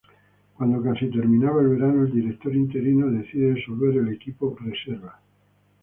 Cuando casi terminaba el verano, el director interino decide disolver el equipo "reserva".